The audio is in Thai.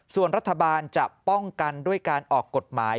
ส่วนรัฐบาลจะป้องกันด้วยการออกกฎหมาย